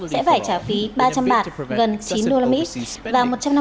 sẽ phải trả phí ba trăm linh bạt gần chín usd